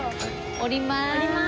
降りまーす。